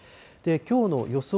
きょうの予想